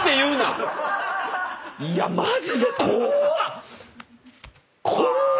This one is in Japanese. いやマジで怖っ！